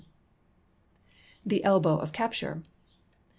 The elbow of capture.